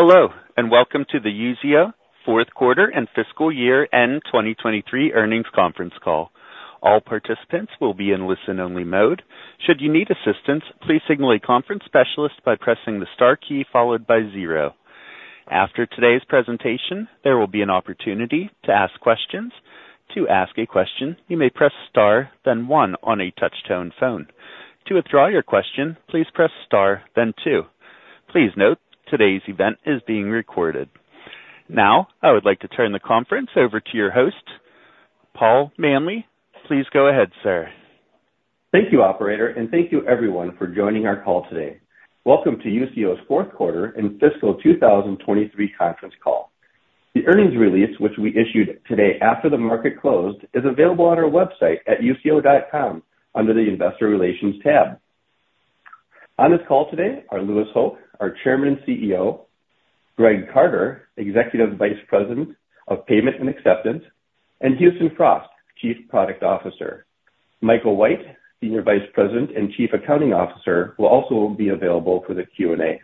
Hello and welcome to the Usio fourth quarter and fiscal year-end 2023 earnings conference call. All participants will be in listen-only mode. Should you need assistance, please signal a conference specialist by pressing the star key followed by 0. After today's presentation, there will be an opportunity to ask questions. To ask a question, you may press star then 1 on a touch-tone phone. To withdraw your question, please press star then 2. Please note, today's event is being recorded. Now I would like to turn the conference over to your host, Paul Manley. Please go ahead, sir. Thank you, operator, and thank you, everyone, for joining our call today. Welcome to Usio's fourth quarter and fiscal 2023 conference call. The earnings release, which we issued today after the market closed, is available on our website at usio.com under the Investor Relations tab. On this call today are Louis Hoch, our Chairman and CEO; Greg Carter, Executive Vice President of Payment and Acceptance; and Houston Frost, Chief Product Officer. Michael White, Senior Vice President and Chief Accounting Officer, will also be available for the Q&A.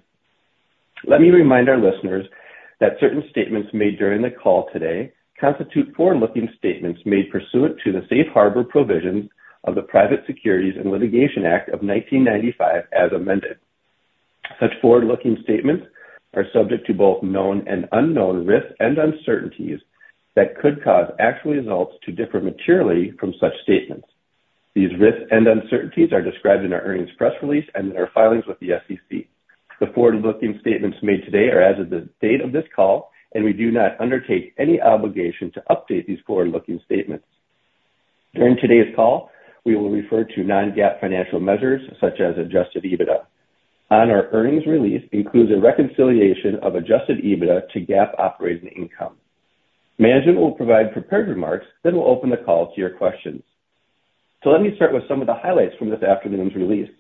Let me remind our listeners that certain statements made during the call today constitute forward-looking statements made pursuant to the Safe Harbor provisions of the Private Securities Litigation Reform Act of 1995 as amended. Such forward-looking statements are subject to both known and unknown risks and uncertainties that could cause actual results to differ materially from such statements. These risks and uncertainties are described in our earnings press release and in our filings with the SEC. The forward-looking statements made today are as of the date of this call, and we do not undertake any obligation to update these forward-looking statements. During today's call, we will refer to Non-GAAP financial measures such as Adjusted EBITDA. Our earnings release includes a reconciliation of Adjusted EBITDA to GAAP operating income. Management will provide prepared remarks, then we'll open the call to your questions. So let me start with some of the highlights from this afternoon's release.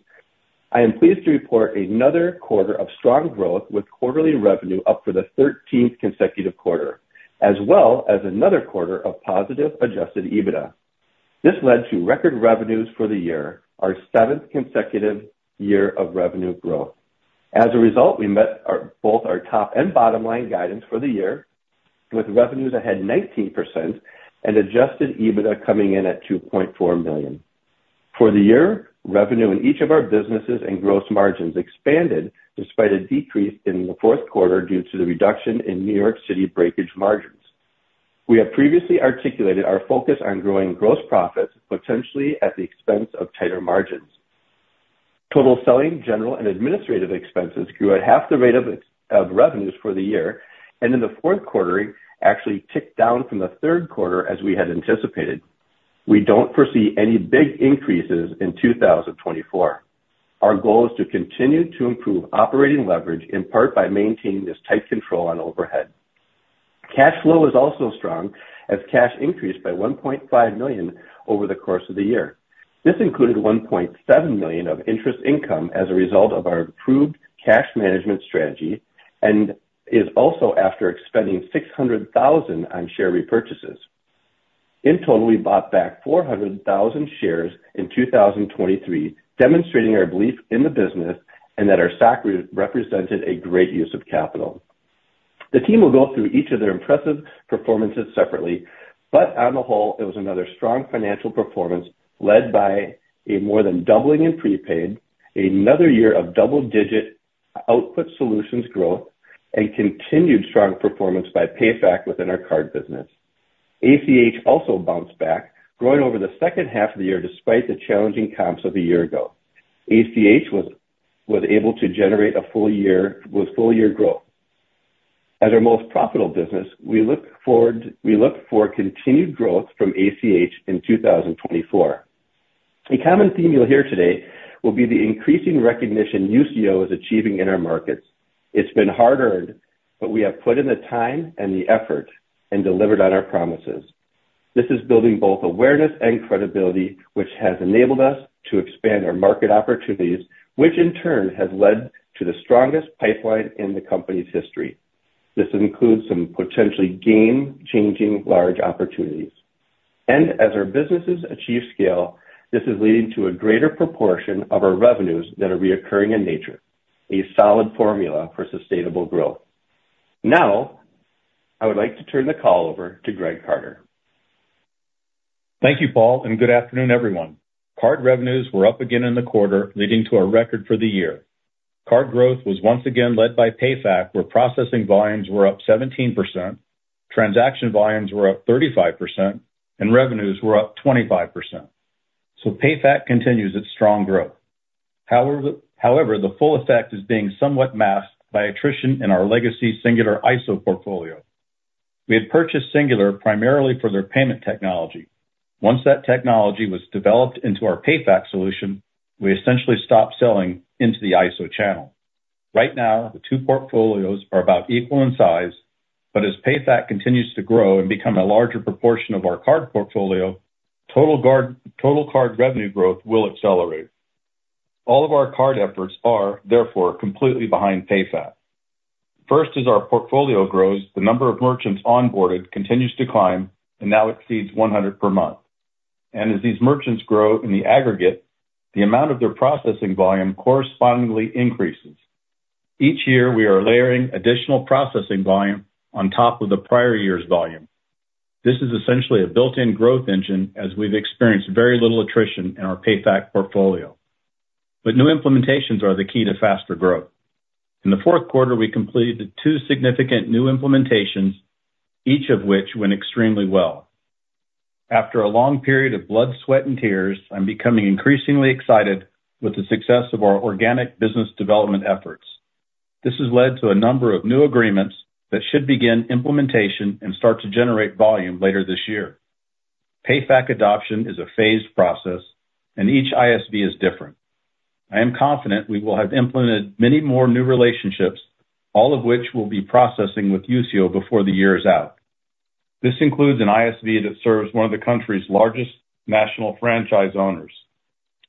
I am pleased to report another quarter of strong growth with quarterly revenue up for the 13th consecutive quarter, as well as another quarter of positive Adjusted EBITDA. This led to record revenues for the year, our seventh consecutive year of revenue growth. As a result, we met both our top and bottom line guidance for the year, with revenues ahead 19% and adjusted EBITDA coming in at $2.4 million. For the year, revenue in each of our businesses and gross margins expanded despite a decrease in the fourth quarter due to the reduction in New York City breakage margins. We have previously articulated our focus on growing gross profits, potentially at the expense of tighter margins. Total selling, general, and administrative expenses grew at half the rate of revenues for the year, and in the fourth quarter, actually ticked down from the third quarter as we had anticipated. We don't foresee any big increases in 2024. Our goal is to continue to improve operating leverage, in part by maintaining this tight control on overhead. Cash flow is also strong as cash increased by $1.5 million over the course of the year. This included $1.7 million of interest income as a result of our improved cash management strategy and is also after expending $600,000 on share repurchases. In total, we bought back 400,000 shares in 2023, demonstrating our belief in the business and that our stock represented a great use of capital. The team will go through each of their impressive performances separately, but on the whole, it was another strong financial performance led by a more than doubling in prepaid, another year of double-digit Output Solutions growth, and continued strong performance by PayFac within our card business. ACH also bounced back, growing over the second half of the year despite the challenging comps of a year ago. ACH was able to generate a full year with full-year growth. As our most profitable business, we look forward to continued growth from ACH in 2024. A common theme you'll hear today will be the increasing recognition Usio is achieving in our markets. It's been hard-earned, but we have put in the time and the effort and delivered on our promises. This is building both awareness and credibility, which has enabled us to expand our market opportunities, which in turn has led to the strongest pipeline in the company's history. This includes some potentially game-changing large opportunities. As our businesses achieve scale, this is leading to a greater proportion of our revenues that are recurring in nature, a solid formula for sustainable growth. Now I would like to turn the call over to Greg Carter. Thank you, Paul, and good afternoon, everyone. Card revenues were up again in the quarter, leading to a record for the year. Card growth was once again led by PayFac, where processing volumes were up 17%, transaction volumes were up 35%, and revenues were up 25%. So PayFac continues its strong growth. However, the full effect is being somewhat masked by attrition in our legacy Singular ISO portfolio. We had purchased Singular primarily for their payment technology. Once that technology was developed into our PayFac solution, we essentially stopped selling into the ISO channel. Right now, the two portfolios are about equal in size, but as PayFac continues to grow and become a larger proportion of our card portfolio, total card revenue growth will accelerate. All of our card efforts are, therefore, completely behind PayFac. First, as our portfolio grows, the number of merchants onboarded continues to climb and now exceeds 100 per month. As these merchants grow in the aggregate, the amount of their processing volume correspondingly increases. Each year, we are layering additional processing volume on top of the prior year's volume. This is essentially a built-in growth engine as we've experienced very little attrition in our PayFac portfolio. But new implementations are the key to faster growth. In the fourth quarter, we completed two significant new implementations, each of which went extremely well. After a long period of blood, sweat, and tears, I'm becoming increasingly excited with the success of our organic business development efforts. This has led to a number of new agreements that should begin implementation and start to generate volume later this year. PayFac adoption is a phased process, and each ISV is different. I am confident we will have implemented many more new relationships, all of which we'll be processing with Usio before the year is out. This includes an ISV that serves one of the country's largest national franchise owners.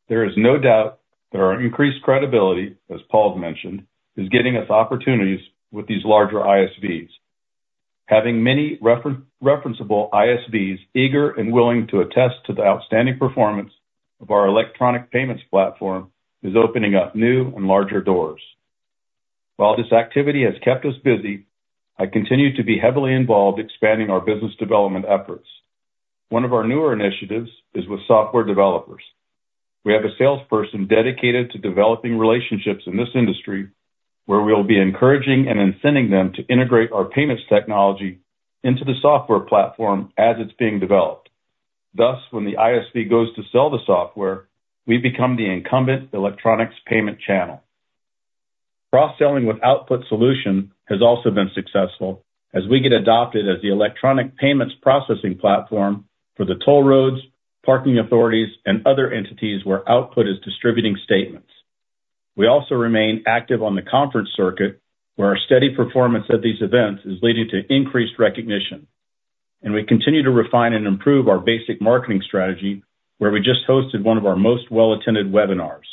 There is no doubt that our increased credibility, as Paul's mentioned, is getting us opportunities with these larger ISVs. Having many referenceable ISVs eager and willing to attest to the outstanding performance of our electronic payments platform is opening up new and larger doors. While this activity has kept us busy, I continue to be heavily involved expanding our business development efforts. One of our newer initiatives is with software developers. We have a salesperson dedicated to developing relationships in this industry, where we will be encouraging and incenting them to integrate our payments technology into the software platform as it's being developed. Thus, when the ISV goes to sell the software, we become the incumbent electronic payment channel. Cross-selling with output solution has also been successful as we get adopted as the electronic payments processing platform for the toll roads, parking authorities, and other entities where output is distributing statements. We also remain active on the conference circuit, where our steady performance at these events is leading to increased recognition. And we continue to refine and improve our basic marketing strategy, where we just hosted one of our most well-attended webinars.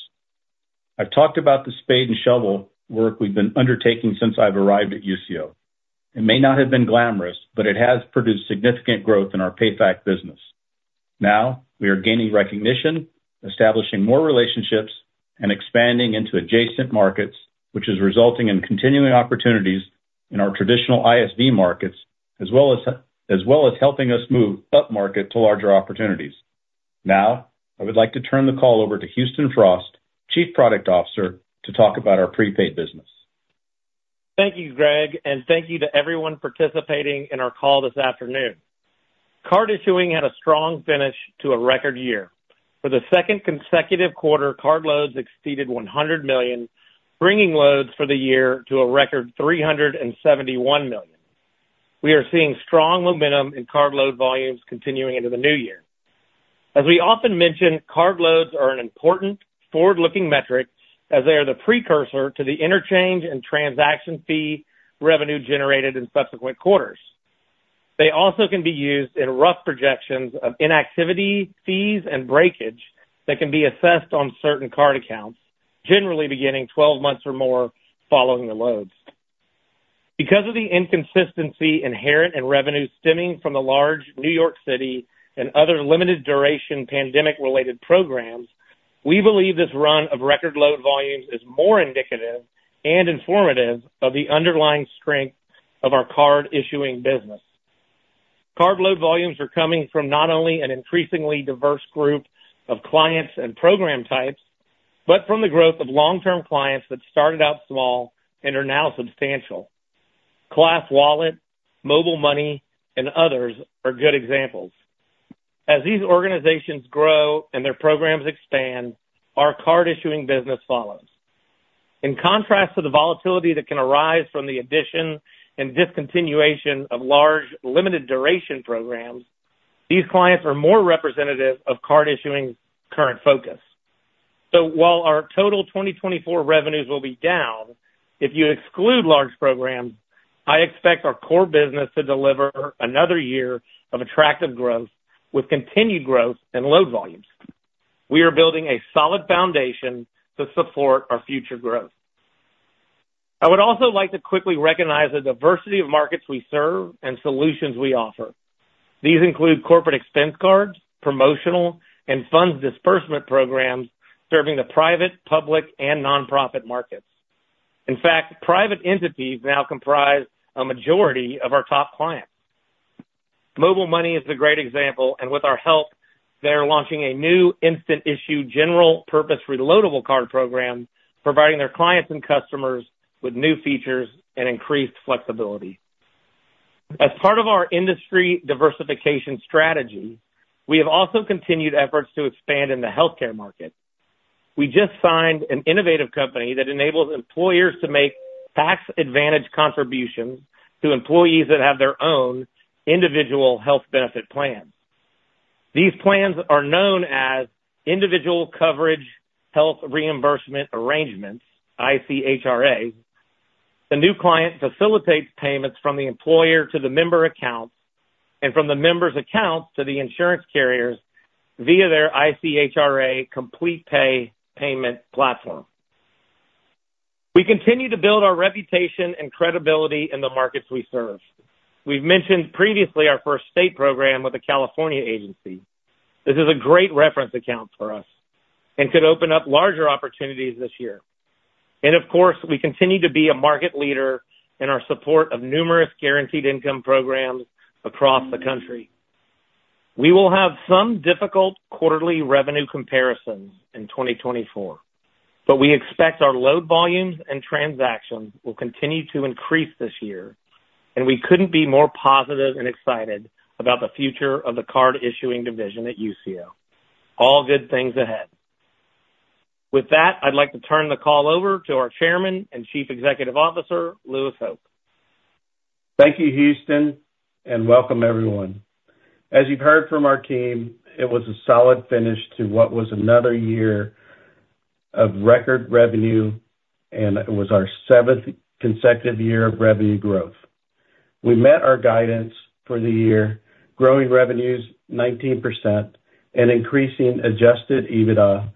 I've talked about the spade and shovel work we've been undertaking since I've arrived at Usio. It may not have been glamorous, but it has produced significant growth in our PayFac business. Now we are gaining recognition, establishing more relationships, and expanding into adjacent markets, which is resulting in continuing opportunities in our traditional ISV markets, as well as helping us move up market to larger opportunities. Now I would like to turn the call over to Houston Frost, Chief Product Officer, to talk about our prepaid business. Thank you, Greg, and thank you to everyone participating in our call this afternoon. Card issuing had a strong finish to a record year. For the second consecutive quarter, card loads exceeded 100 million, bringing loads for the year to a record 371 million. We are seeing strong momentum in card load volumes continuing into the new year. As we often mention, card loads are an important forward-looking metric as they are the precursor to the interchange and transaction fee revenue generated in subsequent quarters. They also can be used in rough projections of inactivity fees and breakage that can be assessed on certain card accounts, generally beginning 1two months or more following the loads. Because of the inconsistency inherent in revenue stemming from the large New York City and other limited-duration pandemic-related programs, we believe this run of record load volumes is more indicative and informative of the underlying strength of our Card Issuing business. Card load volumes are coming from not only an increasingly diverse group of clients and program types, but from the growth of long-term clients that started out small and are now substantial. ClassWallet, MobileMoney, and others are good examples. As these organizations grow and their programs expand, our Card Issuing business follows. In contrast to the volatility that can arise from the addition and discontinuation of large limited-duration programs, these clients are more representative of Card Issuing's current focus. So while our total 2024 revenues will be down, if you exclude large programs, I expect our core business to deliver another year of attractive growth with continued growth and load volumes. We are building a solid foundation to support our future growth. I would also like to quickly recognize the diversity of markets we serve and solutions we offer. These include corporate expense cards, promotional, and funds disbursement programs serving the private, public, and nonprofit markets. In fact, private entities now comprise a majority of our top clients. MobileMoney is a great example, and with our help, they are launching a new instant-issue, general-purpose reloadable card program, providing their clients and customers with new features and increased flexibility. As part of our industry diversification strategy, we have also continued efforts to expand in the healthcare market. We just signed an innovative company that enables employers to make tax-advantaged contributions to employees that have their own individual health benefit plans. These plans are known as Individual Coverage Health Reimbursement Arrangements, ICHRA. The new client facilitates payments from the employer to the member accounts and from the members' accounts to the insurance carriers via their ICHRA Complete payment platform. We continue to build our reputation and credibility in the markets we serve. We've mentioned previously our first state program with a California agency. This is a great reference account for us and could open up larger opportunities this year. And of course, we continue to be a market leader in our support of numerous guaranteed income programs across the country. We will have some difficult quarterly revenue comparisons in 2024, but we expect our load volumes and transactions will continue to increase this year, and we couldn't be more positive and excited about the future of the card issuing division at Usio. All good things ahead. With that, I'd like to turn the call over to our Chairman and Chief Executive Officer, Louis Hoch. Thank you, Houston, and welcome, everyone. As you've heard from our team, it was a solid finish to what was another year of record revenue, and it was our seventh consecutive year of revenue growth. We met our guidance for the year, growing revenues 19% and increasing Adjusted EBITDA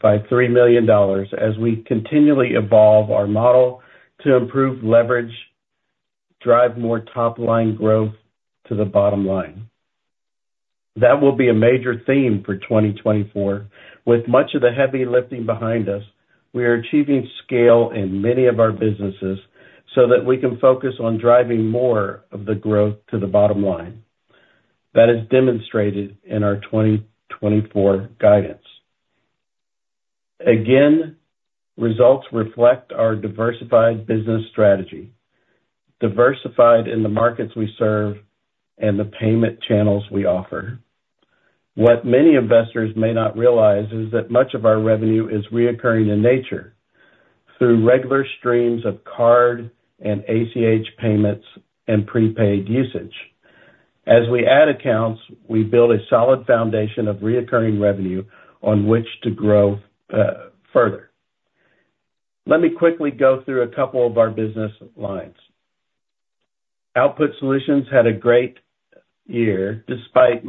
by $3 million as we continually evolve our model to improve leverage, drive more top-line growth to the bottom line. That will be a major theme for 2024. With much of the heavy lifting behind us, we are achieving scale in many of our businesses so that we can focus on driving more of the growth to the bottom line. That is demonstrated in our 2024 guidance. Again, results reflect our diversified business strategy, diversified in the markets we serve and the payment channels we offer. What many investors may not realize is that much of our revenue is recurring in nature through regular streams of card and ACH payments and prepaid usage. As we add accounts, we build a solid foundation of recurring revenue on which to grow further. Let me quickly go through a couple of our business lines. Output Solutions had a great year despite a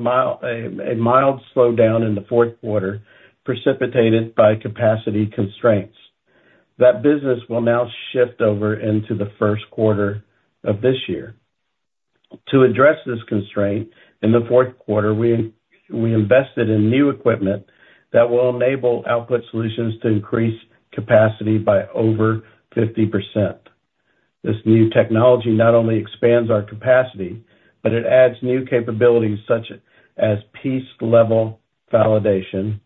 mild slowdown in the fourth quarter precipitated by capacity constraints. That business will now shift over into the first quarter of this year. To address this constraint in the fourth quarter, we invested in new equipment that will enable Output Solutions to increase capacity by over 50%. This new technology not only expands our capacity, but it adds new capabilities such as piece-level validation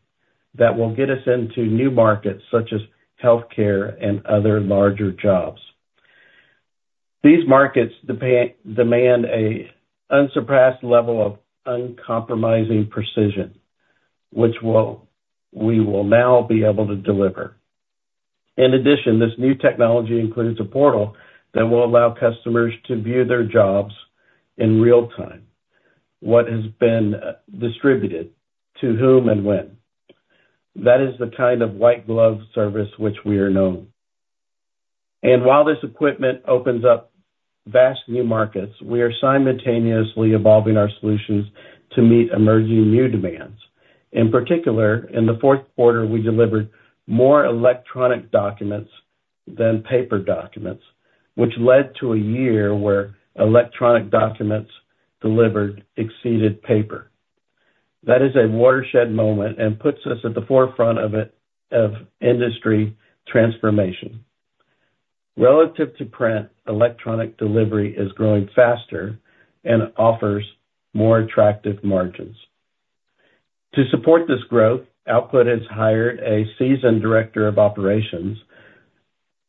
that will get us into new markets such as healthcare and other larger jobs. These markets demand an unsurpassed level of uncompromising precision, which we will now be able to deliver. In addition, this new technology includes a portal that will allow customers to view their jobs in real time, what has been distributed to whom and when. That is the kind of white-glove service which we are known. While this equipment opens up vast new markets, we are simultaneously evolving our solutions to meet emerging new demands. In particular, in the fourth quarter, we delivered more electronic documents than paper documents, which led to a year where electronic documents delivered exceeded paper. That is a watershed moment and puts us at the forefront of industry transformation. Relative to print, electronic delivery is growing faster and offers more attractive margins. To support this growth, Output has hired a seasoned director of operations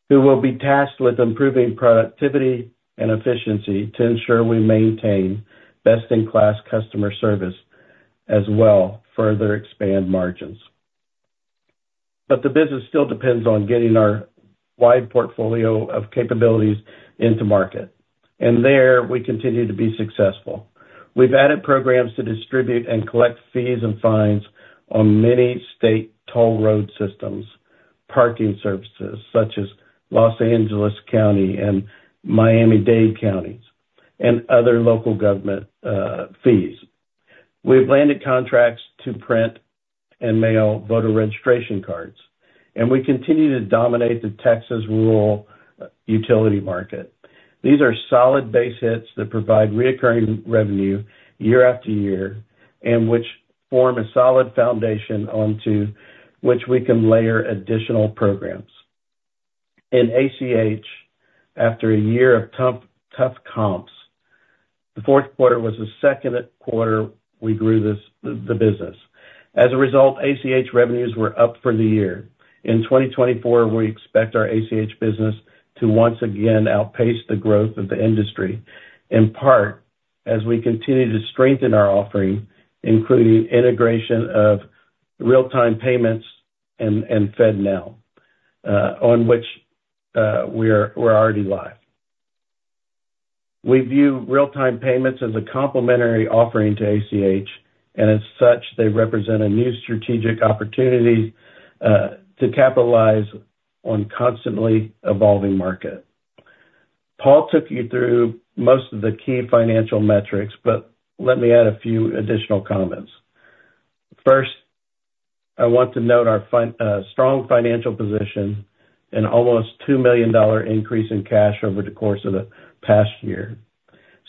who will be tasked with improving productivity and efficiency to ensure we maintain best-in-class customer service as well. Further expand margins. But the business still depends on getting our wide portfolio of capabilities into market. And there, we continue to be successful. We've added programs to distribute and collect fees and fines on many state toll road systems, parking services such as Los Angeles County and Miami-Dade County, and other local government fees. We've landed contracts to print and mail voter registration cards, and we continue to dominate the Texas rural utility market. These are solid base hits that provide recurring revenue year after year and which form a solid foundation onto which we can layer additional programs. In ACH, after a year of tough comps, the fourth quarter was the second quarter we grew the business. As a result, ACH revenues were up for the year. In 2024, we expect our ACH business to once again outpace the growth of the industry, in part as we continue to strengthen our offering, including integration of real-time payments and FedNow, on which we're already live. We view real-time payments as a complementary offering to ACH, and as such, they represent a new strategic opportunity to capitalize on constantly evolving markets. Paul took you through most of the key financial metrics, but let me add a few additional comments. First, I want to note our strong financial position and almost $2 million increase in cash over the course of the past year.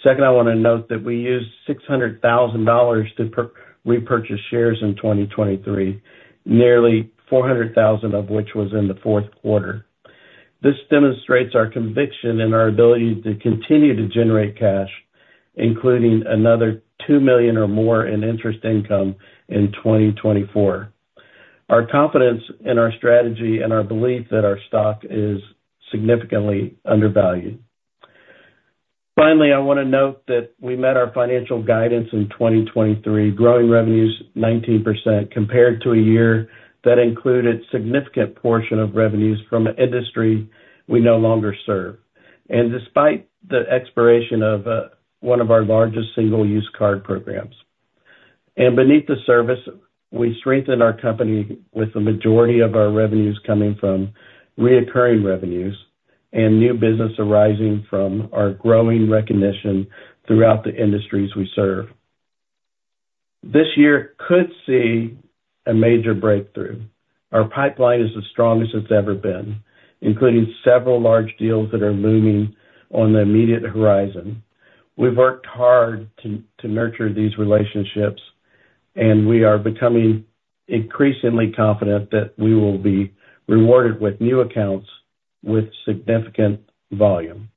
Second, I want to note that we used $600,000 to repurchase shares in 2023, nearly 400,000 of which was in the fourth quarter. This demonstrates our conviction in our ability to continue to generate cash, including another $2 million or more in interest income in 2024. Our confidence in our strategy and our belief that our stock is significantly undervalued. Finally, I want to note that we met our financial guidance in 2023, growing revenues 19% compared to a year that included a significant portion of revenues from an industry we no longer serve, and despite the expiration of one of our largest single-use card programs. Beneath the surface, we strengthen our company with the majority of our revenues coming from recurring revenues and new business arising from our growing recognition throughout the industries we serve. This year could see a major breakthrough. Our pipeline is the strongest it's ever been, including several large deals that are looming on the immediate horizon. We've worked hard to nurture these relationships, and we are becoming increasingly confident that we will be rewarded with new accounts with significant volume.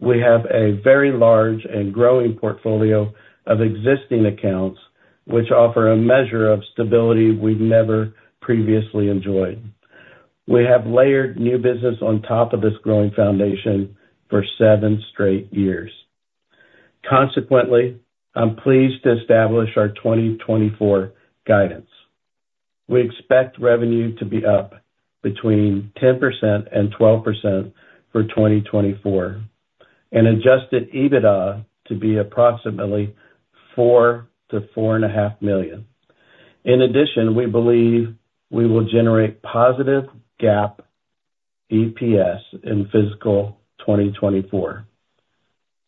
We have a very large and growing portfolio of existing accounts, which offer a measure of stability we've never previously enjoyed. We have layered new business on top of this growing foundation for seven straight years. Consequently, I'm pleased to establish our 2024 guidance. We expect revenue to be up between 10%-12% for 2024 and adjusted EBITDA to be approximately $4 million-$4.5 million. In addition, we believe we will generate positive GAAP EPS in fiscal 2024.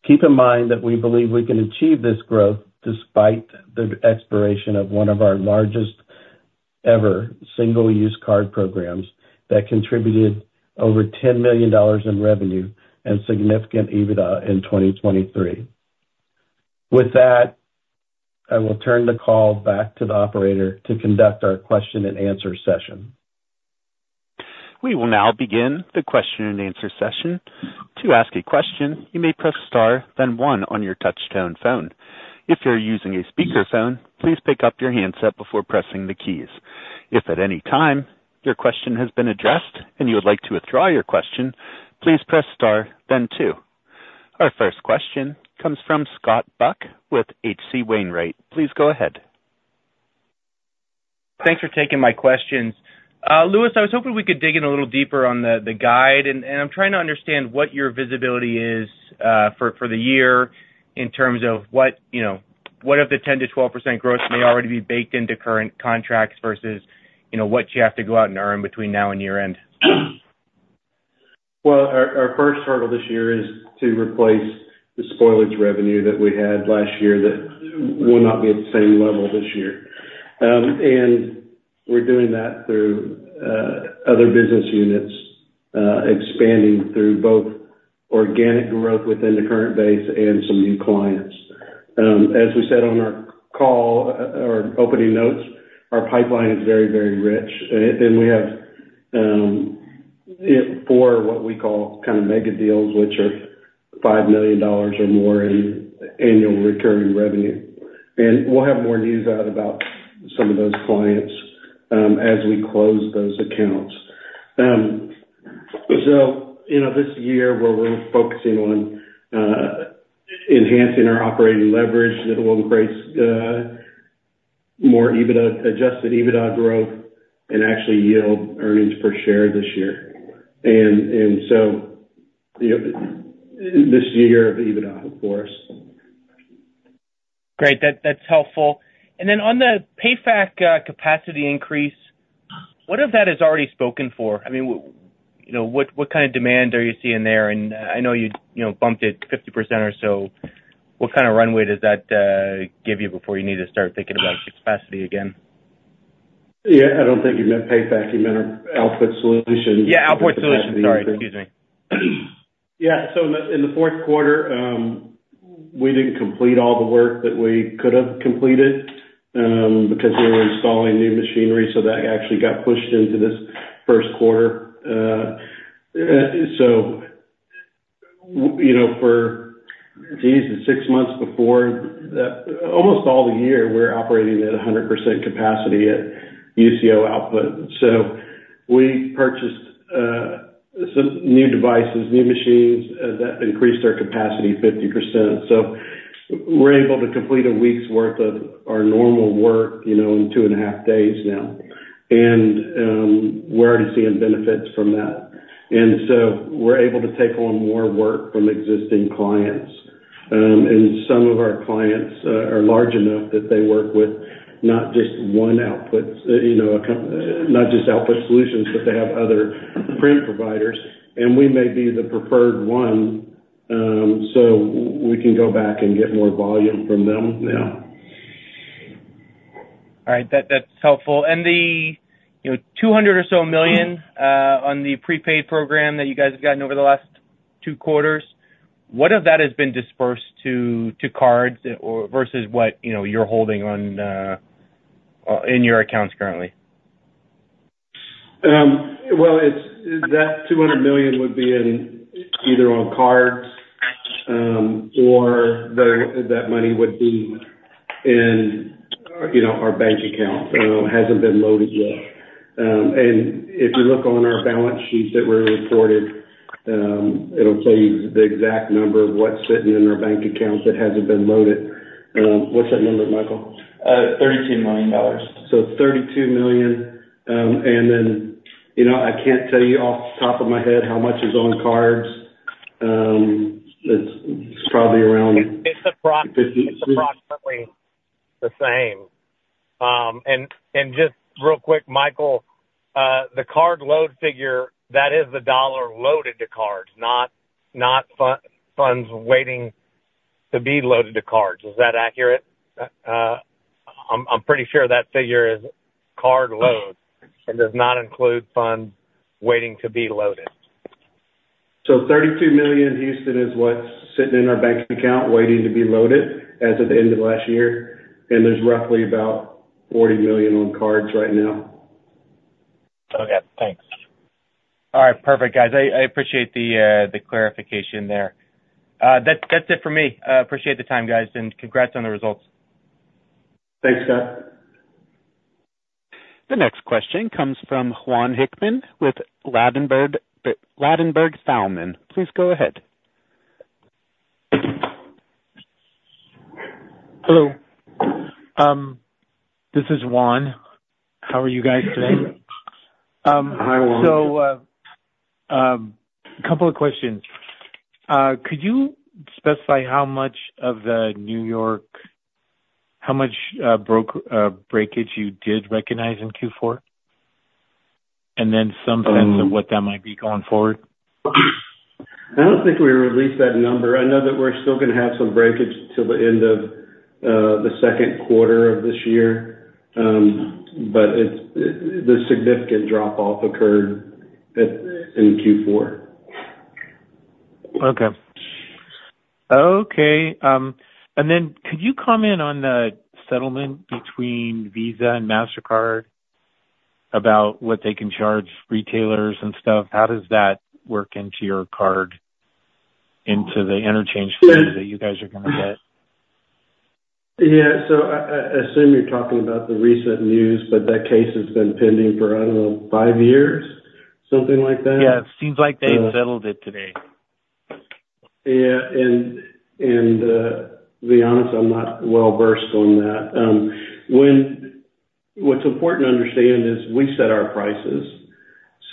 Keep in mind that we believe we can achieve this growth despite the expiration of one of our largest-ever single-use card programs that contributed over $10 million in revenue and significant EBITDA in 2023. With that, I will turn the call back to the operator to conduct our question-and-answer session. We will now begin the question-and-answer session. To ask a question, you may press star, then one on your touch-tone phone. If you're using a speakerphone, please pick up your handset before pressing the keys. If at any time your question has been addressed and you would like to withdraw your question, please press star, then two. Our first question comes from Scott Buck with H.C. Wainwright. Please go ahead. Thanks for taking my questions. Louis, I was hoping we could dig in a little deeper on the guide, and I'm trying to understand what your visibility is for the year in terms of what of the 10%-12% growth may already be baked into current contracts versus what you have to go out and earn between now and year-end. Well, our first hurdle this year is to replace the breakage revenue that we had last year that will not be at the same level this year. We're doing that through other business units expanding through both organic growth within the current base and some new clients. As we said on our call or opening notes, our pipeline is very, very rich. We have four what we call kind of mega deals, which are $5 million or more in annual recurring revenue. We'll have more news out about some of those clients as we close those accounts. This year we're focusing on enhancing our operating leverage that will increase more adjusted EBITDA growth and actually yield earnings per share this year. So this year of EBITDA for us. Great. That's helpful. And then on the PayFac capacity increase, what of that has already spoken for? I mean, what kind of demand are you seeing there? And I know you bumped it 50% or so. What kind of runway does that give you before you need to start thinking about capacity again? Yeah. I don't think you meant PayFac. You meant our Output Solutions. Yeah. Output Solutions. Sorry. Excuse me. Yeah. So in the fourth quarter, we didn't complete all the work that we could have completed because we were installing new machinery, so that actually got pushed into this first quarter. So for, jeez, the six months before, almost all the year, we're operating at 100% capacity at Usio output. So we purchased some new devices, new machines that increased our capacity 50%. So we're able to complete a week's worth of our normal work in two and a half days now. And we're already seeing benefits from that. And so we're able to take on more work from existing clients. And some of our clients are large enough that they work with not just one output not just Output Solutions, but they have other print providers. And we may be the preferred one so we can go back and get more volume from them now. All right. That's helpful. And the $200 million or so on the prepaid program that you guys have gotten over the last two quarters, what of that has been dispersed to cards versus what you're holding in your accounts currently? Well, that $200 million would be either on cards or that money would be in our bank account. It hasn't been loaded yet. If you look on our balance sheets that were reported, it'll tell you the exact number of what's sitting in our bank accounts that hasn't been loaded. What's that number, Michael? $32 million. $32 million. I can't tell you off the top of my head how much is on cards. It's probably around $50 million. It's approximately the same. Just real quick, Michael, the card load figure, that is the dollar loaded to cards, not funds waiting to be loaded to cards. Is that accurate? I'm pretty sure that figure is card load and does not include funds waiting to be loaded. $32 million, Houston, is what's sitting in our bank account waiting to be loaded as of the end of last year. There's roughly about $40 million on cards right now. Okay. Thanks. All right. Perfect, guys. I appreciate the clarification there. That's it for me. Appreciate the time, guys, and congrats on the results. Thanks, Scott. The next question comes from Jon Hickman with Ladenburg Thalmann. Please go ahead. Hello. This is Jon Hickman. How are you guys today? Hi, Jon. A couple of questions. Could you specify how much of the New York breakage you did recognize in Q4 and then some sense of what that might be going forward? I don't think we released that number. I know that we're still going to have some breakage till the end of the second quarter of this year, but the significant drop-off occurred in Q4. Okay. Okay. And then could you comment on the settlement between Visa and Mastercard about what they can charge retailers and stuff? How does that work into your card, into the interchange fees that you guys are going to get? Yeah. So I assume you're talking about the recent news, but that case has been pending for, I don't know, 5 years, something like that. Yeah. It seems like they've settled it today. Yeah. And to be honest, I'm not well-versed on that. What's important to understand is we set our prices.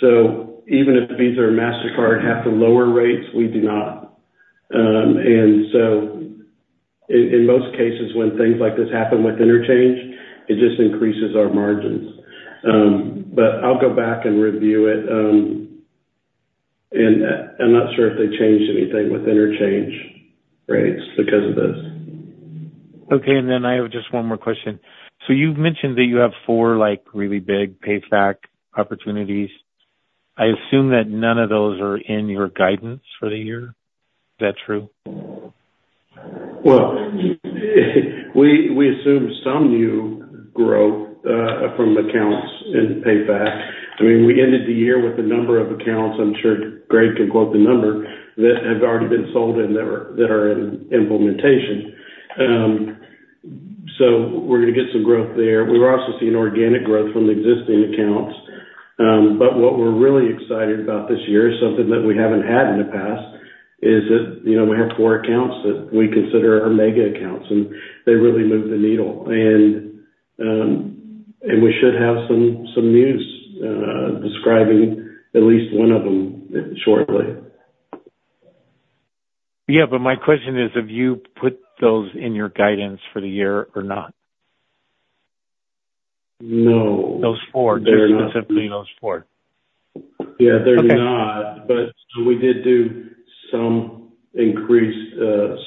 So even if Visa or Mastercard have to lower rates, we do not. And so in most cases, when things like this happen with interchange, it just increases our margins. But I'll go back and review it. And I'm not sure if they changed anything with interchange rates because of this. Okay. And then I have just one more question. So you've mentioned that you have four really big PayFac opportunities. I assume that none of those are in your guidance for the year. Is that true? Well, we assume some new growth from accounts in PayFac. I mean, we ended the year with a number of accounts. I'm sure Greg can quote the number that have already been sold and that are in implementation. So we're going to get some growth there. We were also seeing organic growth from the existing accounts. But what we're really excited about this year, something that we haven't had in the past, is that we have four accounts that we consider our mega accounts, and they really moved the needle. And we should have some news describing at least one of them shortly. Yeah. But my question is, have you put those in your guidance for the year or not? No. Those four, just specifically those four. Yeah. They're not. But we did do some increased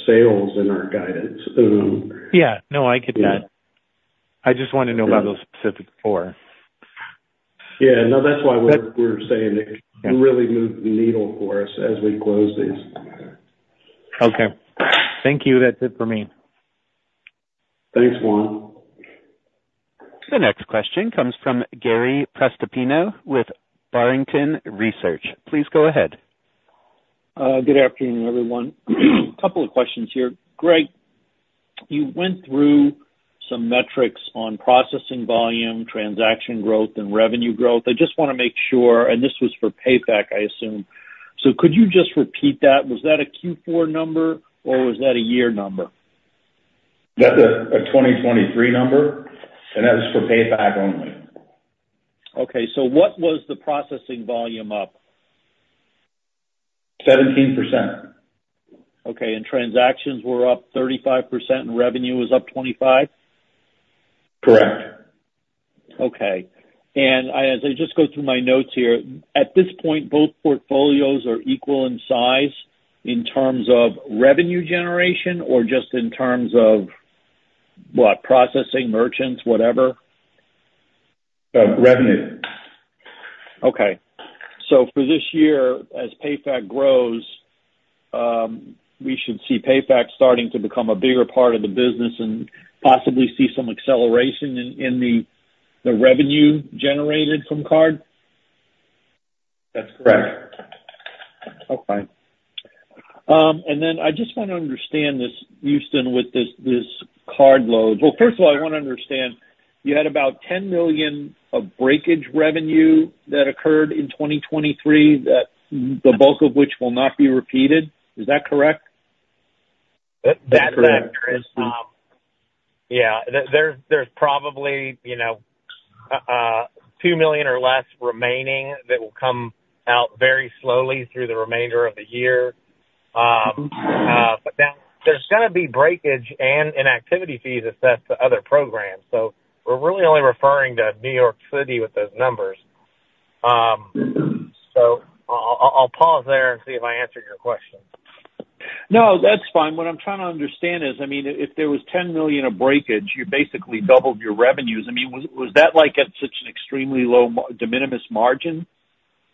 sales in our guidance. Yeah. No, I get that. I just want to know about those specific four. Yeah. No, that's why we're saying it really moved the needle for us as we close these. Okay. Thank you. That's it for me. Thanks, Juan. The next question comes from Gary Prestopino with Barrington Research. Please go ahead. Good afternoon, everyone. A couple of questions here. Greg, you went through some metrics on processing volume, transaction growth, and revenue growth. I just want to make sure and this was for PayFac, I assume. So could you just repeat that? Was that a Q4 number, or was that a year number? That's a 2023 number, and that was for PayFac only. Okay. So what was the processing volume up? 17%. Okay. Transactions were up 35%, and revenue was up 25%? Correct. Okay. And as I just go through my notes here, at this point, both portfolios are equal in size in terms of revenue generation or just in terms of, what, processing, merchants, whatever? Revenue. Okay. So for this year, as PayFac grows, we should see PayFac starting to become a bigger part of the business and possibly see some acceleration in the revenue generated from card? That's correct. Okay. And then I just want to understand this, Houston, with this card load. Well, first of all, I want to understand, you had about $10 million of breakage revenue that occurred in 2023, the bulk of which will not be repeated. Is that correct? That factor is, yeah. There's probably $2 million or less remaining that will come out very slowly through the remainder of the year. But now, there's going to be breakage and inactivity fees assessed to other programs. So we're really only referring to New York City with those numbers. So I'll pause there and see if I answered your question. No, that's fine. What I'm trying to understand is, I mean, if there was $10 million of breakage, you basically doubled your revenues. I mean, was that at such an extremely low de minimis margin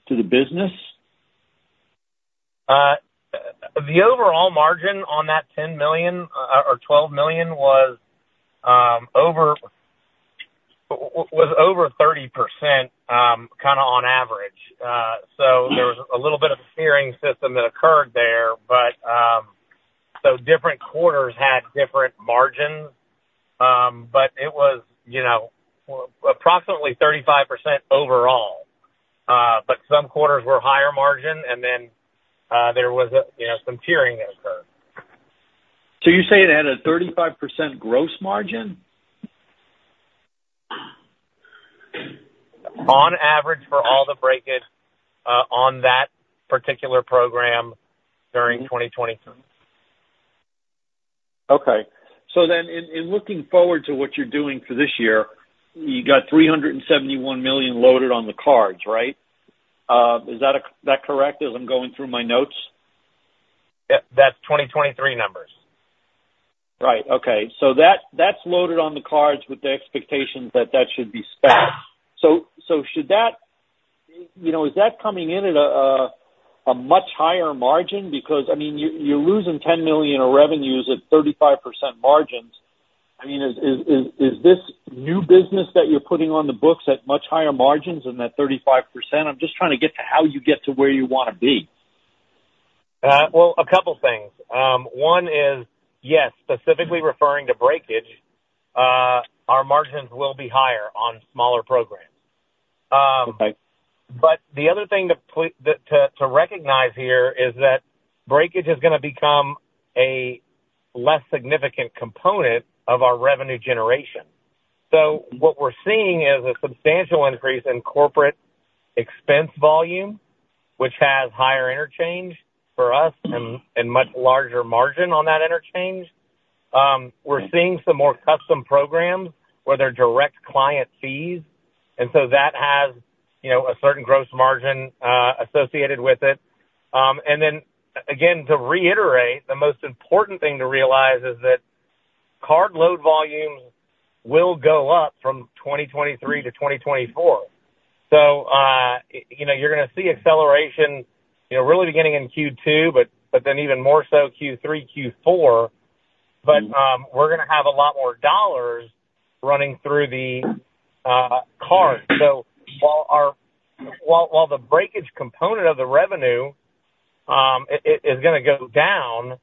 to the business? The overall margin on that $10 million or $12 million was over 30% kind of on average. So there was a little bit of a steering system that occurred there. So different quarters had different margins, but it was approximately 35% overall. But some quarters were higher margin, and then there was some tiering that occurred. So you're saying it had a 35% gross margin? On average for all the breakage on that particular program during 2023. Okay. So then in looking forward to what you're doing for this year, you got $371 million loaded on the cards, right? Is that correct as I'm going through my notes? That's 2023 numbers. Right. Okay. So that's loaded on the cards with the expectations that that should be spent. So is that coming in at a much higher margin? Because, I mean, you're losing $10 million of revenues at 35% margins. I mean, is this new business that you're putting on the books at much higher margins than that 35%? I'm just trying to get to how you get to where you want to be. Well, a couple of things. One is, yes, specifically referring to breakage, our margins will be higher on smaller programs. But the other thing to recognize here is that breakage is going to become a less significant component of our revenue generation. So what we're seeing is a substantial increase in corporate expense volume, which has higher interchange for us and much larger margin on that interchange. We're seeing some more custom programs where they're direct client fees. And so that has a certain gross margin associated with it. And then, again, to reiterate, the most important thing to realize is that card load volumes will go up from 2023 to 2024. So you're going to see acceleration really beginning in Q2, but then even more so Q3, Q4. But we're going to have a lot more dollars running through the card. While the breakage component of the revenue is going to go down,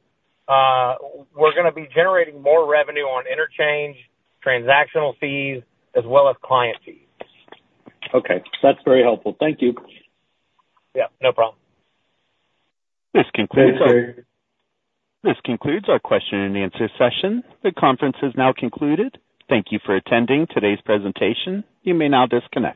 we're going to be generating more revenue on interchange, transactional fees, as well as client fees. Okay. That's very helpful. Thank you. Yeah. No problem. This concludes our question and answer session. The conference has now concluded. Thank you for attending today's presentation. You may now disconnect.